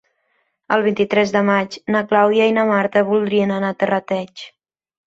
El vint-i-tres de maig na Clàudia i na Marta voldrien anar a Terrateig.